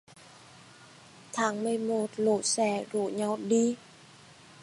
Tháng mười một lũ sẻ rủ nhau đi